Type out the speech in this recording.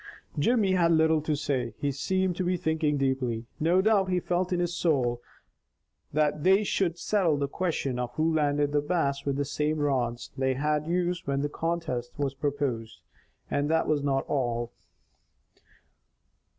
Jimmy had little to say. He seemed to be thinking deeply. No doubt he felt in his soul that they should settle the question of who landed the Bass with the same rods they had used when the contest was proposed, and that was not all.